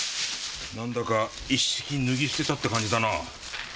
なんだか一式脱ぎ捨てたって感じだなぁ。